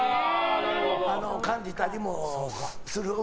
感じたりもする。